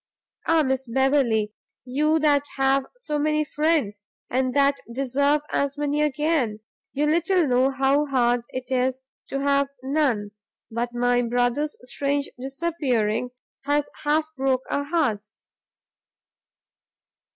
Ah, Miss Beverley! you that have so many friends, and that deserve as many again, you little know what a hard thing it is to have none! but my brother's strange disappearing has half broke our hearts!"